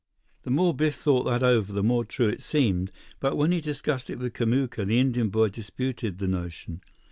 The more Biff thought that over, the more true it seemed. But when he discussed it with Kamuka, the Indian boy disputed the notion.